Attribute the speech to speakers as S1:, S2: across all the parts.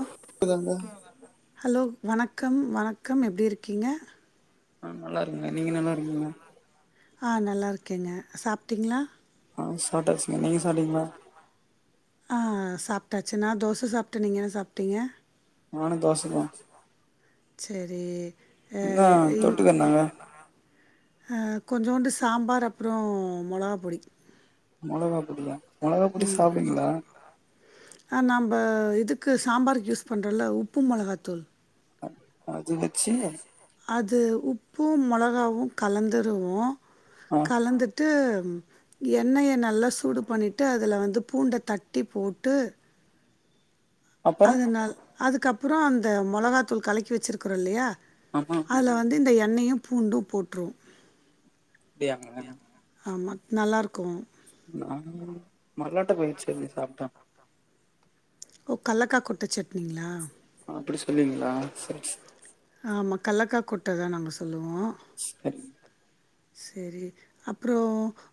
S1: அ
S2: கேக்குதாங்க
S1: ஹலோ வணக்கம் வணக்கம் எப்டி இருக்கீங்க
S2: ஆ நல்லா இருக்கேங்க நீங்க நல்லா இருக்கீங்ளா
S1: ஆ நல்லா இருக்கேங்க சாப்டீங்ளா
S2: ஆ சாப்டாச்சீங்க நீங்க சாப்டீங்ளா
S1: ஆ சாப்டாச்சி நா தோச சாப்டே நீங்க என்ன சாப்டீங்க
S2: நானு தோச தா
S1: சேரி ஆ
S2: என்ன
S1: இங்
S2: தொட்டுக்க என்னங்க
S1: ஆ கொஞ்சுண்டு சாம்பார் அப்றோ மொளகா பொடி
S2: மொளகா பொடியா மொளகா பொடி சாப்டுவீங்ளா
S1: ஆ நம்ப இதுக்கு சாம்பாருக்கு யூஸ் பண்றோல உப்பு மொளகாதூள்
S2: அ அது வெச்சு
S1: அது உப்பு மொளகாவு கலந்துருவோ
S2: அ
S1: கலந்துட்டு எண்ணய நல்லா சூடு பண்ணிட்டு அதுல வந்து பூண்ட தட்டி போட்டு
S2: அப்பறோ
S1: அதனால் அதுக்கப்புறோ அந்த மொளகாதூள் கலக்கி வெச்சிருக்குறோ இல்லயா
S2: ஆமா
S1: அதுல வந்து இந்த எண்ணெயு பூண்டு போட்ருவோ
S2: அப்டியாங்க
S1: ஆமா நல்லாருக்கு
S2: நா மல்லாட்ட பயிற்சி களி சாப்டோ
S1: ஓ கல்லக்கா கூட்டு சட்
S2: அப்டி சொல்லுவீங்ளா செரி செரி
S1: ஆமா கல்லக்கா கூட்டுதா நாங்க சொல்லுவோ
S2: செரி
S1: செரி அப்புறோ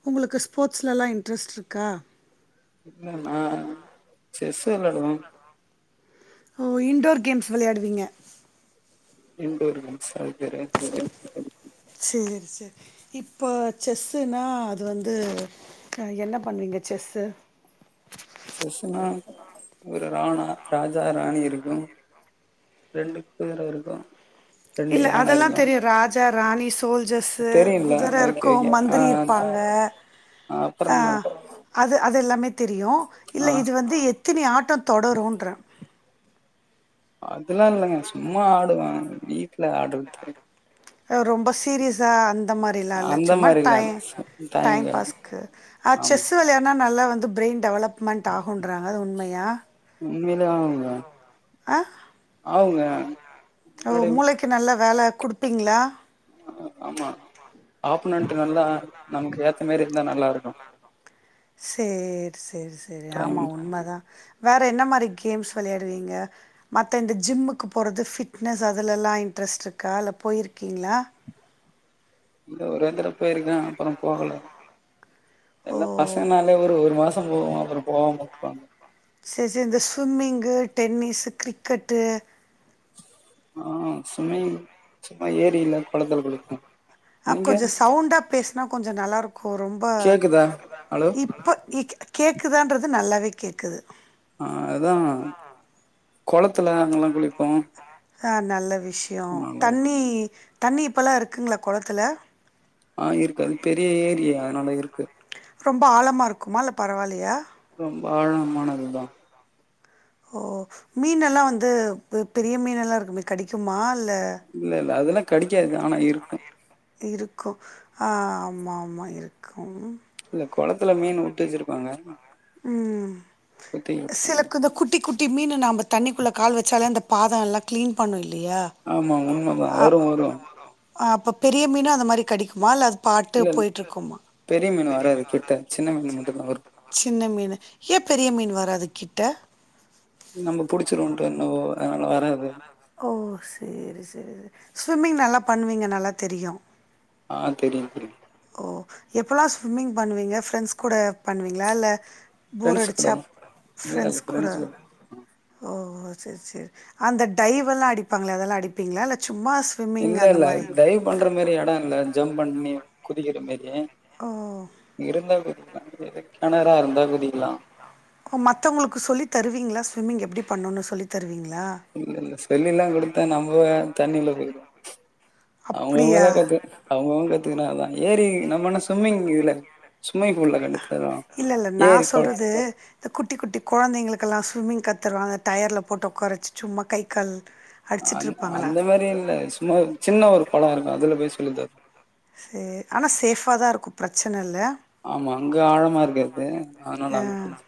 S1: உங்குளுக்கு ஸ்போர்ட்ஸ்லலா இன்ட்ரெஸ்ட் இருக்கா
S2: இல்ல நா செஸ்ஸு வெளாடுவே
S1: ஓ இன்டோர் கேம்ஸ் வெளையாடுவீங்க
S2: இன்டோர் கேம்ஸா அது பேரு சரி
S1: சேரி சேரி இப்போ செஸ்ஸுனா அது வந்து என்ன பண்ணுவீங்க செஸ்ஸு
S2: செஸ்ஸுனா ஒரு ராணா ராஜா ராணி இருக்கு ரெண்டு குதுர இருக்கு ரெண்டு
S1: இல்ல
S2: யான
S1: அதல்லா
S2: இருக்கு
S1: தெரியு ராஜா ராணி சோல்ஜர்ஸ்சு
S2: தெரியும்ல
S1: குதுர
S2: ஓகே
S1: இருக்கு மந்திரி பாங்க
S2: அ அப்றோ என்ன
S1: அது அது எல்லாமே தெரியு இல்ல இது வந்து எத்தினி ஆட்டோ தொடருன்ற
S2: அதுல்லா இல்லங்க சும்மா ஆடுவே வீட்ல ஆட்றது
S1: ரொம்ப சீரியஸா அந்த மாரிலா இல்ல
S2: அந்த
S1: சும்மா
S2: மாரி இல்ல
S1: டைம் டைம்
S2: டைம்க்கு
S1: பாஸ்க்கு அ
S2: ஆமா
S1: செஸ்ஸு வெளையாட்னா நல்லா வந்து ப்ரையின் டெவலப்மெண்ட் ஆகுன்றாங்க அது உண்மையா
S2: உண்மைலே ஆவுங்க
S1: அ ஆமாங்க ஓ
S2: முன்னாடி
S1: மூளைக்கு நல்ல வேல குடுப்பீங்ளா
S2: ஆமா ஆமா ஆப்புநென்டு நல்லா நமக்கு ஏத்தமாரி இருந்தா நல்லாருக்கு
S1: சேரி சேரி சேரி
S2: டைம்
S1: ஆமா உண்மதா வேற என்னமாரி கேம்ஸ் வெளையாடுவீங்க மத்த இந்த ஜிம்முக்கு போறது ஃபிட்னஸ் அதுல எல்லா இன்ட்ரஸ்ட் இருக்கா இல்ல போயிருக்கீங்ளா
S2: இல்ல ஒரே தடவ போய்ருக்கே ஆனா அப்புறோ போகல
S1: ஓ!
S2: எல்லா பசங்னாலே ஒரு ஒரு மாசோ போவோ அப்புறோ போவாம உட்றுவாங்க
S1: சேரி சேரி இந்த ஸ்விம்மிங்கு டென்னிஸ்சு கிரிக்கெட்டு
S2: ஆ ஸ்விம்மிங் சும்மா ஏரில கொளத்துல குளிப்போ
S1: அ
S2: நீங்க
S1: கொஞ்சோ சவுண்டா பேசுனா கொஞ்சோ நல்லாருக்கு ரொம்ப
S2: கேக்குதா ஹலோ
S1: இப்போ கேக்குதான்றது நல்லாவே கேக்குது
S2: ஆ அதா கொளத்துல அங்கல்லா குளிப்போ
S1: ஆ நல்ல விஷ்யொ
S2: அதனால
S1: தண்ணி தண்ணி இப்பல்லா இருக்குங்ளா கொளத்துல
S2: ஆ இருக்கு அது பெரிய ஏரி அதனால இருக்கு
S1: ரொம்ப ஆழமா இருக்குமா இல்ல பரவாயிலயா
S2: ரொம்ப ஆழமானதுதா
S1: ஓ மீனெல்லா வந்து பெரிய மீனெல்லா இருக்குமே கடிக்குமா இல்ல
S2: இல்ல இல்ல அதெல்லா கடிக்காது ஆனா இருக்கு
S1: இருக்கு ஆ ஆமா ஆமா இருக்கும்
S2: இல்ல கொளத்துல மீன் உட்டு வச்சிருப்பாங்க
S1: ம்
S2: குத்தி விட்டுருவாங்க
S1: சிலத் து கொஞ்ச குட்டி குட்டி மீனு நாம தண்ணிக்குள்ள கால் வச்சாலே அந்த பாதொ எல்லா க்ளீன் பண்ணு இல்லியா
S2: ஆமா உண்மைதா வரு வரு
S1: அப்ப பெரிய மீனும் அந்த மாரி கடிக்குமா இல்ல அது பாட்டு
S2: இல்ல இல்ல,
S1: போயிட்ருக்குமா
S2: பெரிய மீனு வராது கிட்ட சின்ன மீனு மட்டுந்தா வரு
S1: சின்ன மீனு ஏ பெரிய மீன் வராது கிட்ட
S2: நம்ம புடிச்சிருவோன்ட்டு என்னவோ அனால வராது
S1: ஓ சேரி சேரி ஸ்விம்மிங் நல்லா பண்ணுவீங்க நல்லா தெரியு
S2: ஆ தெரியு தெரியு
S1: ஓ எப்பல்லா ஸ்விம்மிங் பண்ணுவீங்க ஃப்ரெண்ட்ஸ் கூட பண்ணுவீங்ளா இல்ல
S2: ஃப்ரெண்ட்ஸ் கூட
S1: போரடிச்சாப்
S2: இல்ல இல்ல
S1: ஃரெண்ட்ஸ் கூட
S2: ஃப்ரெண்ட்ஸ்
S1: ஓ சேரி சேரி அந்த டைவ்வெல்லா அடிப்பாங்களே அதெல்லா அடிப்பீங்ளா இல்ல சும்மா ஸ்விம்மிங்
S2: இல்ல
S1: அந்த மாரி இல்ல இல்ல
S2: டைவ் பண்ற மாரி எட இல்ல ஜம்ப் பண்ணி குதிக்கிற மாரி
S1: ஓ
S2: இருந்தா குதிக்கலா எத கெணரா இருந்தா குதிக்கலா
S1: ஓ மத்தவங்களுக்கு சொல்லி தருவீங்களா ஸ்விம்மிங் எப்டி பண்ணுனு சொல்லி தருவீங்களா
S2: இல்ல இல்ல சொல்லிலா குடுத்தா நம்ம தண்ணிக்குள்ள போய்டுவோ
S1: அப்டியா
S2: அவுங்கவுங்கலா கத்துக்கனு அவுங்கவங்க கத்துக்குனாதா ஏரி நம்ம என்ன சும்மிங் இதுல சும்மிங் ஃபூல்ல கத்து தருவாங்க ஏரி கொள
S1: அ இந்த குட்டி குட்டி கொழந்தைங்களுக்கெல்லா சுவிம்மிங் கத்தருவாங்க டயர்ல போட்டு உக்கார வச்சி சும்மா கைக்கால்
S2: அந் அந்த மாரி இல்ல சும்மா சின்ன ஒரு கொளோ இருக்கு அதுல போய் சொல்லி தரு
S1: சேர் ஆனா சேஃபா தா இருக்கு பிரச்சன இல்ல
S2: ஆமா அங்க ஆழமா இருக்காது ஆனால
S1: அ
S2: அங்க [inaudible]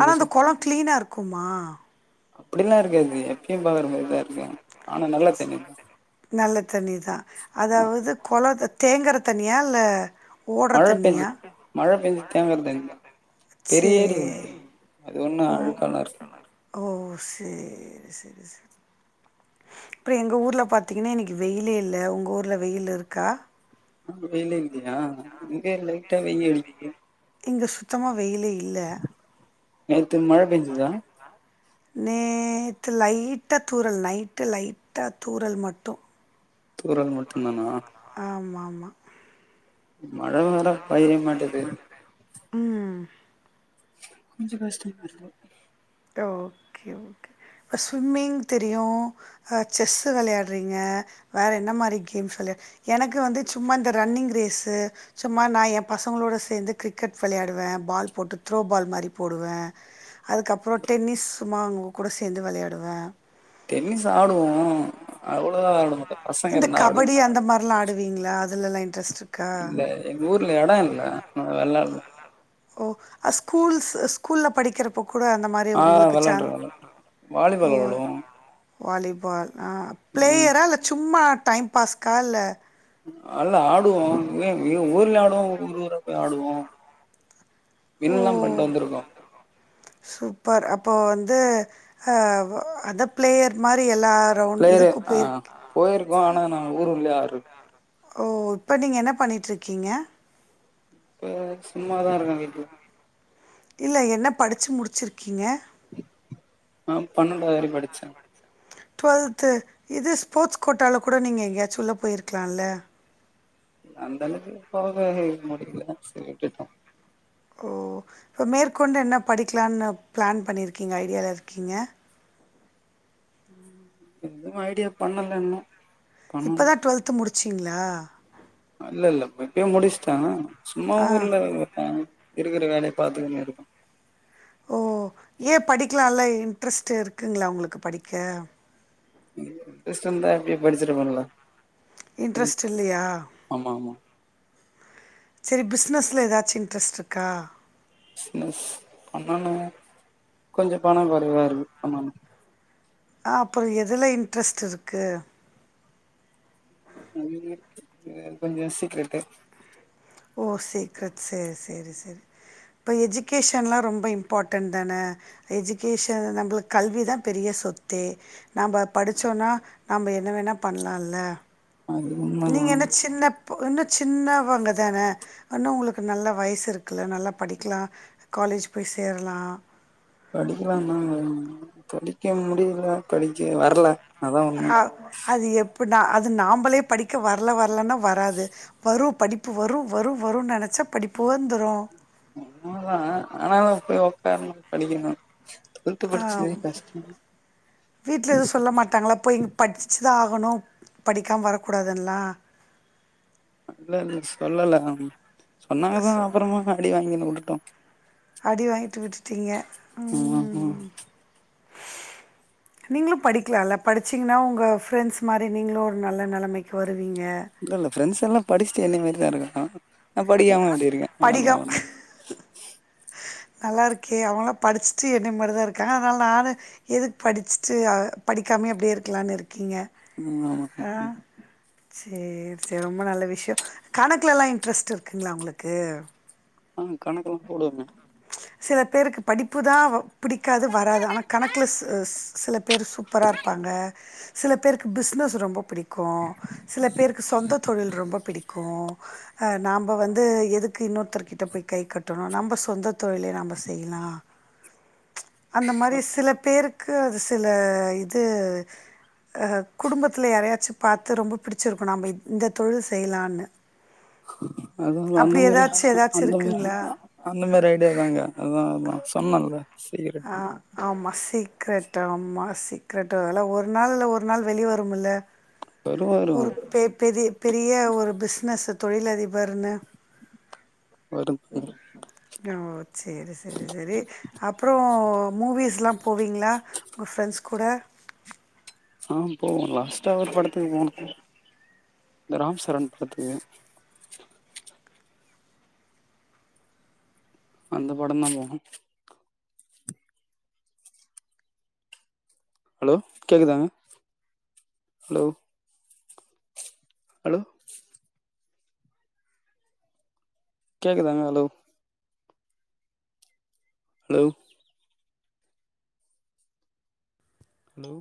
S1: ஆனா அந்த
S2: சொல்லி
S1: கொள க்ளீனா இருக்குமா
S2: அப்டில்லா இருக்காது எப்பயு பாக்ற மாரிதா இருக்கு
S1: ஆனா நல்லத் தண்ணீ நல்ல தண்ணி தா அதாவது கொள தேங்குற தண்ணியா இல்ல ஓடுற
S2: மழ தண்ணி
S1: தண்ணியா?
S2: மழ பெஞ்சு தேங்குரு தண்ணிதா பெரிய ஏரி ஒன்னுதுக்கு
S1: சரி.
S2: அது ஒண்ணு
S1: ஓ
S2: அழுக்காலருக்
S1: ஓ சேரி செரி செரி அப்ற எங்க ஊர்ல பார்த்திங்கன்ன இன்னக்கி வெயிலே இல்ல ஒங்கூருல வெயில் இருக்கா
S2: அங்க வெயிலேல்லயா இங்க லைட்டா வெய்லடிக்குது
S1: இங்க சுத்தமா வெயிலே இல்
S2: நேத்து மழ பெஞ்சிதா
S1: நேத்து லைட்டா தூறல் நைட்டு லைட்டா தூறல் மட்டு
S2: தூறல் மட்டு தானா
S1: ஆ மா மா
S2: மழ வேற பெய்ய மாட்டது
S1: ம்.
S2: கொஞ்சோ கஷ்டமா இருக்கு
S1: ஓகே ஓகே இப்போ ஸ்விம்மிங் தெரியு ஆ செஸ்ஸு வெளயாடுறீங்க வேற என்ன மாரி கேம்ஸ் வெளயா எனக்கு வந்து சும்மா இந்த ரன்னிங் ரேஸு சும்மா நா எ பசங்களோட சேந்து கிரிக்கெட் விளாடுவ பால் போட்டு த்ரோ பால் மாரி போடுவ அதுக்கப்பறோ டென்னிஸ் சும்மா அவ்ங்க கூட சேந்து வெளயாடுவ
S2: டென்னிஸ் ஆடுவோ அவ்ளோளா ஆட மாட்ட
S1: இந்த கபடி அந்த மாரில்லா ஆடுவீங்ளா அதுலல்லா இன்ட்ரெஸ்ட் இருக்கா?
S2: இல்ல எங்க ஊர்ல எட இல்ல ஆனா வெளாட்ல
S1: ஓ ஸ்கூல்ஸ் ஸ்கூல்ல படிக்கிறப்போ கூட அந்த மாரி
S2: ஆ
S1: உங்களுக்கு
S2: வெளாண்ட்ற
S1: சாங்
S2: வெளாண்ட்ற
S1: ஓ
S2: வாலிபால் வெளாடுவோ
S1: வாலிபால் ஆ
S2: ம்
S1: பிளேயரா இல்ல சும்மா டைம் பாஸ்க்கா இல்ல
S2: அல்ல ஆடுவோ எ ஊர்ல ஆடுவோ ஊர் ஊரா போய் ஆடுவோ
S1: ஓ
S2: வின்லா பண்ட்டு வந்திருக்கோ
S1: சூப்பர் அப்போ வந்து அ அந்த ப்ளேயர் மாரி எல்லா ரவுண்ட்
S2: ப்ளேயர்
S1: இதுக்கு
S2: ஆ
S1: போயிருக்
S2: போயிருக்கோ ஆனா நா ஊர் உள்ள ஆடுறது
S1: ஓ இப்போ நீங்க என்ன பண்ணிட்டு இருக்கீங்க
S2: இப்ப சும்மாதா இருக்க வீட்ல
S1: இல்ல என்ன படிச்சி முடிச்சிருக்கீங்க
S2: நா பன்னெண்டாவது வர படிச்ச
S1: டு்வெல்த்து இது ஸ்போர்ட்ஸ் கோட்டால கூட நீங்க எங்கேயாச்சு உள்ள போயிருக்கலால
S2: அந்தளவுக்கு போக முடியல செரி விட்டுட்ட
S1: ஓ இப்போ மேற்கொண்டு என்ன படிக்கலான்னு பிளான் பண்ணிருக்கீங்க ஐடியால இருக்கீங்க
S2: எதுவு ஐடியா பண்ணல இன்னு
S1: இப்ப
S2: பண்ணணு
S1: தா டுவெல்த்து முடிச்சிங்ளா
S2: இல்ல இல்ல எப்பயோ முடிச்சுட்ட சும்மா
S1: ஆ.
S2: ஊர்ல இருப்ப இருக்கிற வேலய பாத்துக்குன்னு இருக்க
S1: ஓ ஏன் படிக்கலால்ல இன்ட்ரெஸ்ட் இருக்குங்ளா உங்களுக்கு படிக்க
S2: இன்ட்ரஸ்ட் இருந்தா எப்பயோ படிச்சுருப்பன்ல்ல
S1: இன்ட்ரஸ்ட் இல்லயா
S2: ஆமா ஆமா
S1: செரி பிஸ்னஸ்ல எதாச்சு இன்ட்ரஸ்ட் இருக்கா
S2: பிஸ்னஸ் பண்ணனு கொஞ்சோ பண கொறைவா இருக்கு பண்ணனு
S1: அப்ப எதுல இன்ட்ரஸ்ட் இருக்கு
S2: இன்னிமேல் கொஞ்சோ சீக்ரெட்டு்
S1: ஓ சீக்ரெட் சேர் செரி செரி இப்ப எஜிகேஷன்லா ரொம்ப இம்பார்ட்டன்ட் தான எஜிகேஷன் நம்பளுக் கல்வி தா பெரிய சொத்தே நம்ப படிச்சோனா நம்ம என்ன வேணா பண்ணலால
S2: அது உண்ம
S1: நீங்கென்ன சின்னப் இப்போ இன்னு சின்னவங்க தான இன்னு உங்களுக்கு நல்ல வயசு இருக்குல நல்லா படிக்லா காலேஜ் போய் சேரலா
S2: படிக்கலான்னு தாங்க இருந்த படிக்க முடியல படிக்க வரல அதான் உண்மை
S1: ஆ அது எப்டினா அது நாபளே படிக்க வரல வரலன்னா வராது வரு படிப் பு வரு வரு வருன்னு நெனச்சா படிப்பு வந்துரு
S2: உண்மதா ஆனா நா போய் உக்காரணு படிக்கணு
S1: ஆ வீட்ல எதுவு சொல்ல மாட்டாங்களா போய் இங்க படிச்சுதா ஆகணு படிக்காம வரக்கூடாதுனல்லா
S2: இல்ல இல்ல சொல்லல சொன்னாங்கதா
S1: சோ
S2: அப்புறமா அடி வாங்கினு வுட்டுட்டோ
S1: அடி வாங்கிட்டு விட்டுட்டீங்க
S2: ஆமா
S1: ம் நீங்களு படிக்கலால்ல படிச்சீங்கன்னா உங்கள் ஃப்ரெண்ட்ஸ் மாரி நீங்களு ஒரு நல்ல நெலைமைக்கு வருவீங்க
S2: இல்ல இல்ல ப்ரெண்ட்ஸ் எல்லா படிச்சுட்டு என்னய மாரிதா இருக்கா நா படிக்காம இப்டி இருக்கே ஆ எல்லா
S1: படிகம்
S2: ஒன்னு
S1: நல்லா இருக்கே அவங்களா படிச்சுட்டு என்னய மாரி தா இருக்காங்க அதனால நானு எதுக்கு படிச்சுட்டு படிக்காமே அப்டியே இருக்கலான்னு இருக்கீங்க
S2: ஆமாம்
S1: ஆ சேரி சேரி ரொம்ப நல்ல விஷயம் கணக்குல எல்லா இன்ட்ரெஸ்ட் இருக்குங்களா உங்களுக்கு
S2: ஆ கணக்கெல்லாம் போடுவங்க
S1: சில பேருக்கு படிப்புதா பிடிக்காது வராது ஆனா கணக்கில ஸ் ஸ் சில பேரு சூப்பரா இருப்பாங்க சில பேருக்கு பிசனஸ் ரொம்ப பிடிக்கு சில பேருக்கு சொந்த தொழில் ரொம்ப பிடிக்கு ஆ நாம வந்து எதுக்கு இன்னொருத்தர்கிட்ட போய் கை கட் டனும் நம்ம சொந்த தொழிலே நம்ம செய்யலா அந்த மாரி சில பேருக்கு அது சில இது அ குடும்பத்துல யாரையாச்சு பாத்து ரொம்ப பிடிச்சிருக்கு நம்ம இந்த தொழில் செய்யலான்னு
S2: அது அந்த
S1: அப்படி
S2: மாரி
S1: ஏதாச்சும் ஏதாச்சும்
S2: அந்த மாதிரி
S1: இருக்குங்களா
S2: யல்லா அ அந்த மாரி ஐடியாாதாங்க அதா அதா சொன்னேன்ல சீக்கிரட்
S1: ஆ ஆமா சீக்கரெட் ஆமா சீக்கரெட் அதல்ல ஒரு நாள் இல்ல ஒரு நாள் வெளியே வருமல்ல
S2: வரும் வரும்
S1: ஒரு பெ பெரிய பெரிய ஒரு பிசினஸ் தொழிலதிபர்னு
S2: வரும் ம்
S1: ஓ செரி சரி சரி அப்புறோ மூவிஷ்ல்லா போவீங்களா உங்க பிரெண்ட்ஸ் கூட
S2: ஆ போவோ லாஸ்ட்டா ஒரு படத்துக்கு போனோ இந்த ராம் சரண் படத்துக்கு அந்த படம் தா போனோ ஹலோ கேக்குதாங்க ஹலோ ஹலோ கேக்குதாங்க ஹலோ ஹலோ அலோ